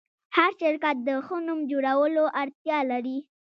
هر شرکت د ښه نوم جوړولو اړتیا لري.